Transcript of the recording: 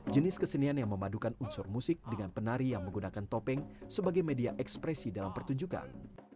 jenis kesenian yang memadukan unsur musik dengan penari yang menggunakan topeng sebagai media ekspresi dalam pertunjukan